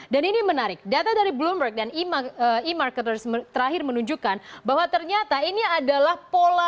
dan ini menarik data dari bloomberg dan e marketers terakhir menunjukkan bahwa ternyata ini adalah pola